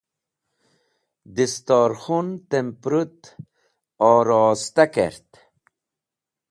Distorkhun tem pũrũt orosta kert.